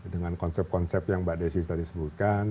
dengan konsep konsep yang mbak desi tadi sebutkan